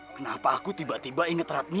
kenapa aku tiba tiba ingat ratmi